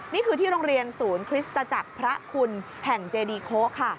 นี่คือที่โรงเรียนศูนย์คริสตจักรพระคุณแห่งเจดีโคค่ะ